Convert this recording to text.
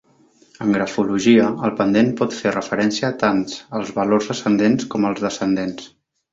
En grafologia, el pendent pot fer referència tants als valors ascendents com als descendents.